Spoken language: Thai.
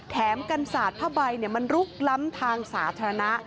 แถมกันสาดผ้าใบมันลุกล้ำทางสาธารณะ